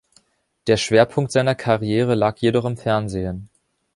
Der Schwerpunkt seiner Karriere lag jedoch im Fernsehen.